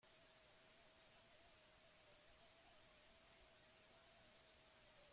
Gai honi buruz zerbait gehitzeko idatzi blog honetan bertan.